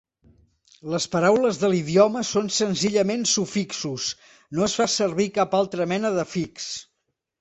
Les paraules de l'idioma són senzillament sufixos; no es fa servir cap altra mena d'afix.